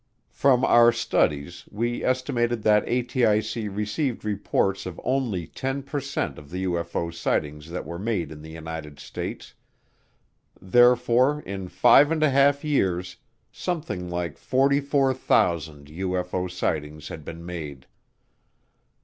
From our studies, we estimated that ATIC received reports of only 10 per cent of the UFO sightings that were made in the United States, therefore in five and a half years something like 44,000 UFO sightings had been made.